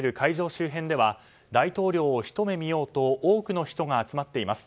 周辺では大統領をひと目見ようと多くの人が集まっています。